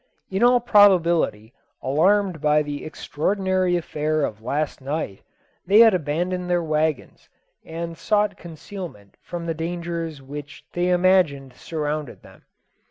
In all probability, alarmed by the extraordinary affair of last night, they had abandoned their wagons, and sought concealment from the dangers which they imagined surrounded them.